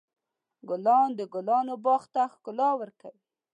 ګلان د ګلانو باغ ته ښکلا ورکوي.